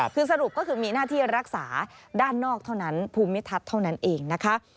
คือสรุปก็คือมีหน้าที่รักษาด้านนอกเท่านั้นภูมิทัศน์เท่านั้นเองนะคะ